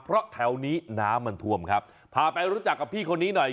เพราะแถวนี้น้ำมันท่วมครับพาไปรู้จักกับพี่คนนี้หน่อย